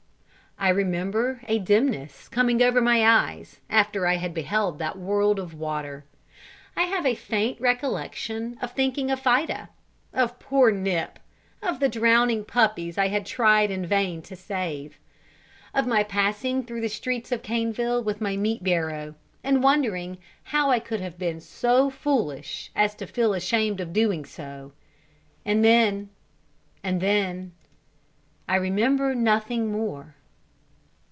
I remember a dimness coming over my eyes after I had beheld that world of water I have a faint recollection of thinking of Fida of poor Nip of the drowning puppies I had tried in vain, to save of my passing through the streets of Caneville with my meat barrow, and wondering how I could have been so foolish as to feel ashamed of doing so and then and then I remember nothing more.